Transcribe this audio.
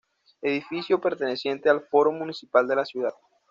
Edificio perteneciente al foro municipal de la ciudad.